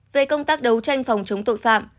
về công tác đấu tranh phòng chống tội phạm